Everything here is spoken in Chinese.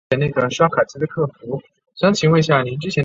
弗格森于斯德哥尔摩市中心的区长大。